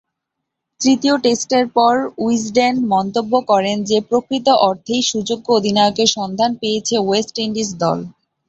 তৃতীয় টেস্টের পর উইজডেন মন্তব্য করে যে, প্রকৃত অর্থেই সুযোগ্য অধিনায়কের সন্ধান পেয়েছে ওয়েস্ট ইন্ডিজ দল।